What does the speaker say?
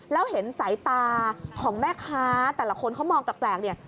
แล้วเห็นสายตาของแม่ค้าแต่ละคนเขามองแปลกเนี่ย